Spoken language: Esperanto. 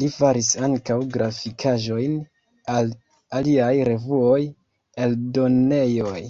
Li faris ankaŭ grafikaĵojn al aliaj revuoj, eldonejoj.